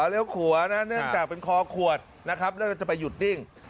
เลี้ยวขัวนะเนื่องจากเป็นคอขวดนะครับแล้วก็จะไปหยุดนิ่ง